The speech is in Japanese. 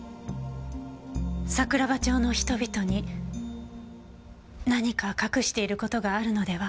桜庭町の人々に何か隠している事があるのでは？